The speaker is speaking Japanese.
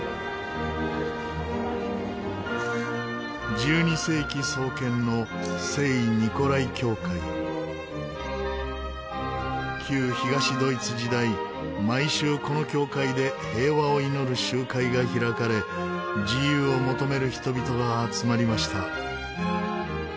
１２世紀創建の旧東ドイツ時代毎週この教会で平和を祈る集会が開かれ自由を求める人々が集まりました。